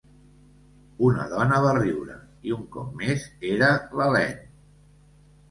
Una dona va riure i, un cop més, era l'Helene.